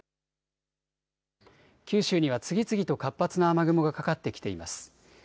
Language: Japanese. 九州には次々と活発な雨雲がかかってきています。